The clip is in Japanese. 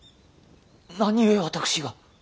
何故私が。